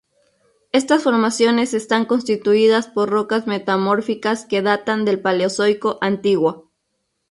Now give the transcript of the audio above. Estas formaciones están constituidas por rocas metamórficas que datan del Paleozoico antiguo.